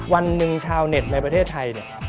วันหนึ่งชาวเน็ตในประเทศไทยเนี่ย